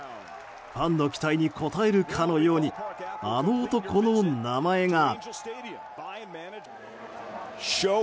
ファンの期待に応えるかのようにあの男の名前が。